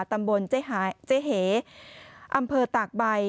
ตำบลเจ๊เหอำเภอตากใบ